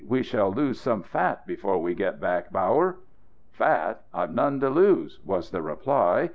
We shall lose some fat before we get back, Bauer." "Fat! I've none to lose," was the reply.